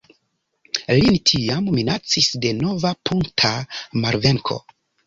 Lin tiam minacis denova punkta malvenko.